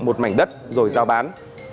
một mảnh đất rồi giao bán